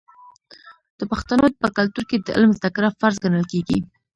د پښتنو په کلتور کې د علم زده کړه فرض ګڼل کیږي.